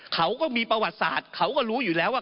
เขาก็มีประวัติศาสตร์เขาก็รู้อยู่แล้วว่า